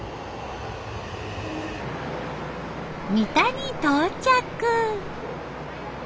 三田に到着。